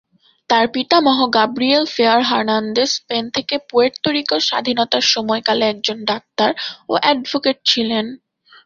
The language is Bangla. তার পিতামহ গাব্রিয়েল ফেয়ার হার্নান্দেজ স্পেন থেকে পুয়ের্তো রিকোর স্বাধীনতার সময়কালে একজন ডাক্তার ও অ্যাডভোকেট ছিলেন।